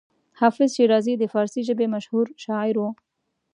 حافظ شیرازي د فارسي ژبې مشهور شاعر و.